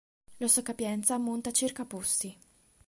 La sua capienza ammonta a circa posti.